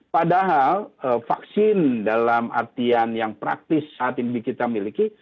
padahal vaksin dalam artian yang praktis saat ini kita miliki